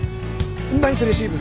ナイスレシーブ。